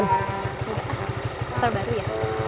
nggak anter baru ya